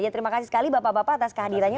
terima kasih sekali bapak bapak atas kehadirannya